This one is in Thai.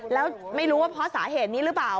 แล้วไม่รู้ว่าพอสาเหตุนี้รึเปล่า